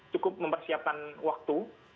cukup mempersiapkan waktu